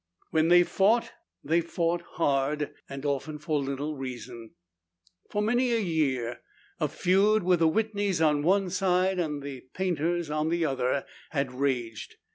When they fought, they fought hard and often for little reason. For many years a feud, with the Whitneys on one side and the Paynters on the other, had raged.